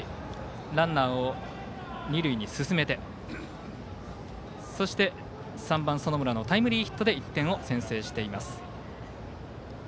ランナーを二塁に進めてそして３番、園村のタイムリーヒットで１点を先制しています。